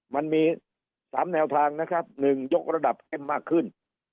มันมีสามแนวทางนะครับหนึ่งยกระดับเก็บมากขึ้น